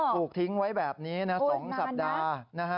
ปลูกทิ้งไว้แบบนี้๒สัปดาห์